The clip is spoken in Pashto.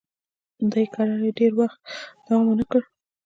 دې کراري ډېر وخت دوام ونه کړ.